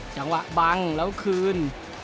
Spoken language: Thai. จังหวะบังแล้วคืน